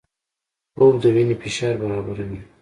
خوب د وینې فشار برابروي